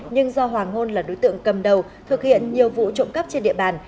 nhưng do hoàng hôn là đối tượng cầm đầu thực hiện nhiều vụ trộm cắp trên địa bàn